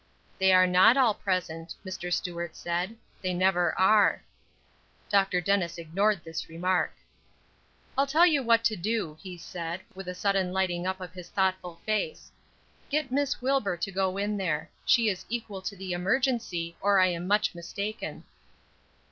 "They are not all present," Mr. Stuart said. "They never are." Dr. Dennis ignored this remark. "I'll tell you what to do," he said, with a sudden lighting up of his thoughtful face. "Get Miss Wilbur to go in there; she is equal to the emergency, or I am much mistaken."